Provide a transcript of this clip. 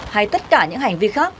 hay tất cả những hành vi khác